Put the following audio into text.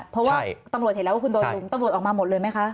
เพราะว่าตำรวจเห็นแล้วว่าคุณโดนหลุมตำรวจออกมาหมดเลยไหมคะ